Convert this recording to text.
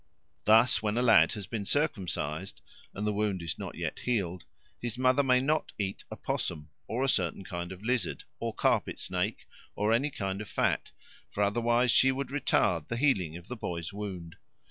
Thus when a lad has been circumcised and the wound is not yet healed, his mother may not eat opossum, or a certain kind of lizard, or carpet snake, or any kind of fat, for otherwise she would retard the healing of the boy's wound.